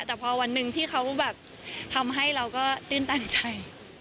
แต่พอวันหนึ่งที่เขาแบบทำให้เราก็ตื้นตันใจ